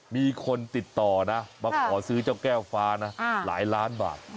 มีคนติดต่อนะมาขอซื้อเจ้าแก้วฟ้านะหลายล้านบาท